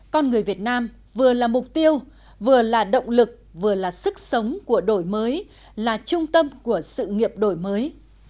con người việt nam vừa là mục tiêu vừa là động lực vừa là sức sống của đổi mới là trung tâm của sự nghiệp đổi mới